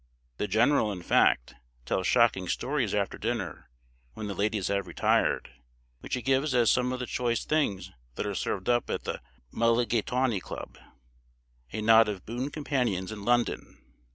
The general, in fact, tells shocking stories after dinner, when the ladies have retired, which he gives as some of the choice things that are served up at the Mulligatawney Club, a knot of boon companions in London.